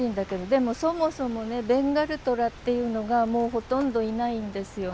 でもそもそもねベンガルトラっていうのがもうほとんどいないんですよ。